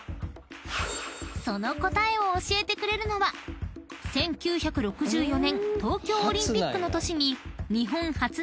［その答えを教えてくれるのは１９６４年東京オリンピックの年に］